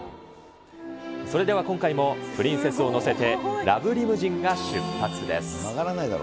それでは今回もプリンセスを乗せてラブリムジンで出発です。